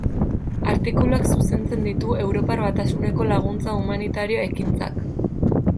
Artikuluak zuzentzen ditu Europar Batasuneko laguntza humanitario-ekintzak.